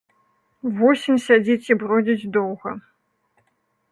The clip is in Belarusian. Восень сядзіць і бродзіць доўга.